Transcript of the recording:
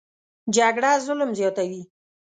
جګړه ظلم زیاتوي